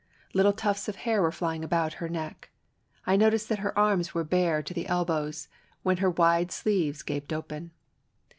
Little tufts of hair were flying about her neck. I noticed that her arms were bare to the elbows, when her wide sleeves gaped open.